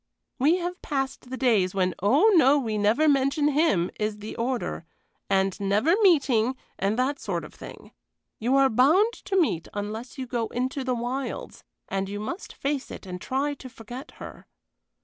We have passed the days when 'Oh no, we never mention him' is the order, and 'never meeting,' and that sort of thing. You are bound to meet unless you go into the wilds. And you must face it and try to forget her."